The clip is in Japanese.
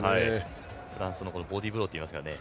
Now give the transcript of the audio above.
フランスのボディーブローといいますかね